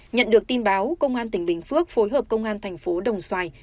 nhận được tin báo công an tỉnh bình phước phối hợp công an tp đồng xoài